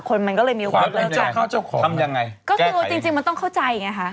คนมันก็เลยมีความยังไงก็คือจริงจริงมันต้องเข้าใจไงฮะ